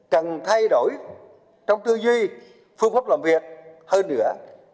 cần thay đổi trong tư duy phương pháp làm việc hơn nữa